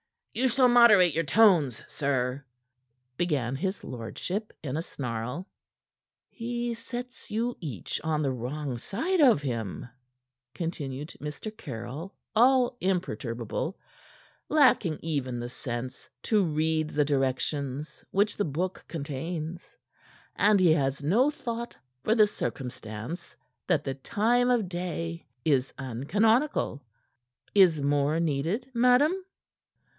"You shall moderate your tones, sir " began his lordship in a snarl. "He sets you each on the wrong side of him," continued Mr. Caryll, all imperturbable, "lacking even the sense to read the directions which the book contains, and he has no thought for the circumstance that the time of day is uncanonical. Is more needed, madame?"